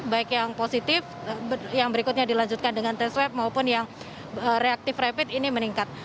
baik yang positif yang berikutnya dilanjutkan dengan tes swab maupun yang reaktif rapid ini meningkat